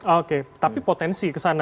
oke tapi potensi kesana